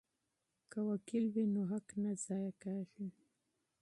که وکیل وي نو حق نه ضایع کیږي.